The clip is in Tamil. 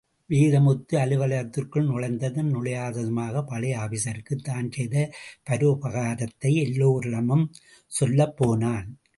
வேதமுத்து, அலுவலகத்திற்குள் நுழைந்ததும் நுழையாததுமாக பழைய ஆபீஸருக்கு தான் செய்த பரோபகாரத்தை எல்லோரிடமும் சொல்லப்போனான்.